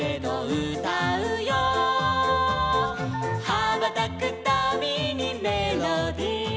「はばたくたびにメロディ」